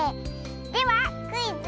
では「クイズ！